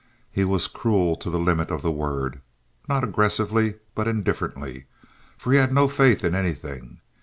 He was cruel to the limit of the word, not aggressively but indifferently; for he had no faith in anything.